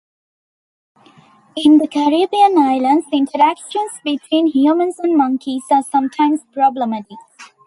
In the Caribbean islands, interactions between humans and monkeys are sometimes problematic.